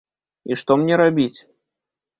І што мне рабіць?